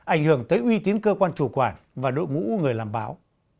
ảnh hưởng tới uy tín cơ quan chủ quản và đội ngũ người làm báo